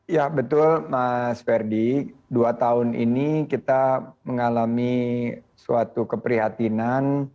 ya betul mas ferdi dua tahun ini kita mengalami suatu keprihatinan